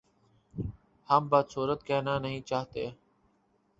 ہم بد صورت کہنا نہیں چاہتے